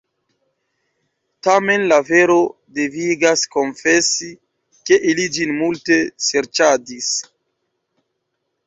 Tamen la vero devigas konfesi, ke ili ĝin multe serĉadis.